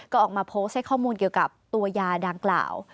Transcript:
ก็ออกมาโพสต์ให้ข้อมูลเกี่ยวกับตัวยาดังกล่าว